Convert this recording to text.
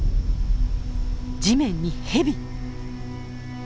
地面にヘビ。